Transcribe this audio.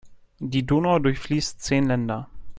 Die Donau durchfließt zehn Länder.